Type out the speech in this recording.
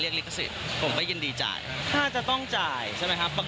เป็นสิ่งที่ถูกต้องต้องจ่ายครับ